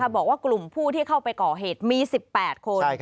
บอกว่ากลุ่มผู้ที่เข้าไปก่อเหตุมี๑๘คน